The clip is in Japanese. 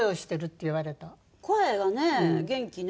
声がね元気ね。